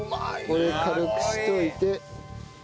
これ軽くしといて。